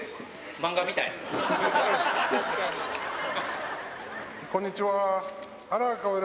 漫画みたい。